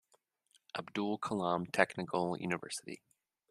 Abdul Kalam Technical University.